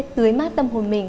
tưới mát tâm hồn mình